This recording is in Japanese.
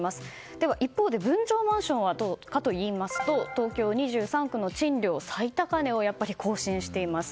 では、一方で分譲マンションはどうかというと東京２３区の賃料最高値をやっぱり更新しています。